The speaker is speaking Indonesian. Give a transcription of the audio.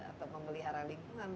atau memelihara lingkungan